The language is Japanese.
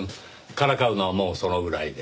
からかうのはもうそのぐらいで。